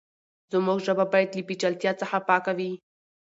زموږ ژبه بايد له پېچلتيا څخه پاکه وي.